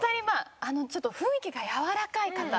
まあちょっと雰囲気がやわらかい方。